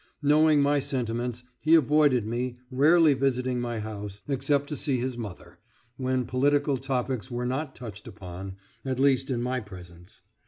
Knowing my sentiments, he avoided me, rarely visiting my house, except to see his mother, when political topics were not touched upon at least in my presence.